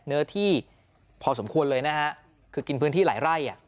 เนื้อที่พอสมควรเลยนะฮะคือกินพื้นที่หลายไร่